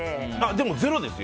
でもゼロですよ。